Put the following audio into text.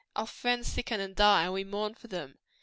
Our friends sicken and die, and we mourn for them.